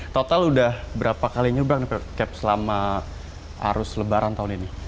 total udah berapa kali nyebrang cap selama arus lebaran tahun ini